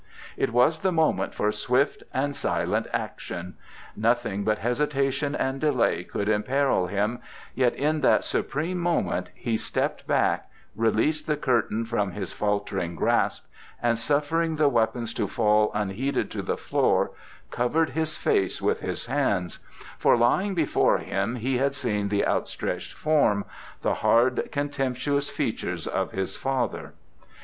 It was the moment for swift and silent action; nothing but hesitation and delay could imperil him, yet in that supreme moment he stepped back, released the curtain from his faltering grasp and, suffering the weapons to fall unheeded to the floor, covered his face with his hands, for lying before him he had seen the outstretched form, the hard contemptuous features, of his father.